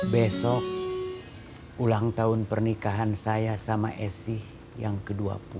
besok ulang tahun pernikahan saya sama esi yang ke dua puluh